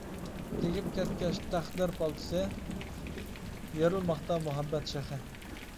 تېگىپ كەتكەچ تەقدىر پالتىسى، يېرىلماقتا مۇھەببەت شېخى.